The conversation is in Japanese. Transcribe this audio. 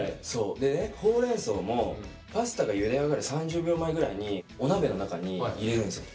でねほうれんそうもパスタがゆで上がる３０秒前ぐらいにお鍋の中に入れるんですよ。